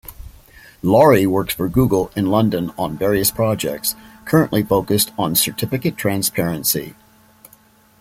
Laurie works for Google in London on various projects, currently focused on Certificate transparency.